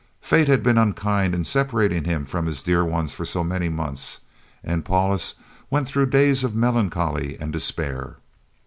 Fate had been unkind in separating him from his dear ones for so many months, and Paulus went through days of melancholy and despair.